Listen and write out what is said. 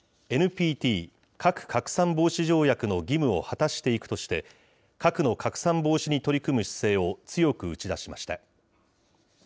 ＮＰＴ・核拡散防止条約の義務を果たしていくとして、核の拡散防止に取り組む姿勢を強く打ち出しました。